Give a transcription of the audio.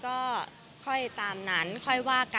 ก็บอกว่าเซอร์ไพรส์ไปค่ะ